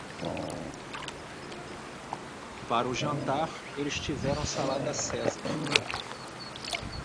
Para o jantar, eles tiveram salada Cesar.